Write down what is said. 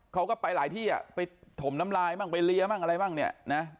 เขาก็ไปหลายที่อ่ะไปถมน้ำลายบ้างไปเลี้ยบ้างอะไรบ้างเนี่ยนะ